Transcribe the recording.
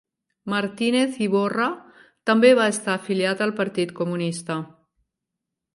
Martínez Iborra també va estar afiliat al Partit Comunista.